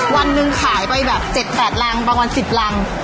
วันหนึ่งขายไปแบบ๗๘รังบางวัน๑๐รัง